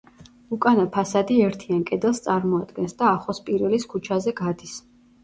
უკანა ფასადი ერთიან კედელს წარმოადგენს და ახოსპირელის ქუჩაზე გადის.